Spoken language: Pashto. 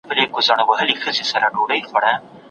آثار مي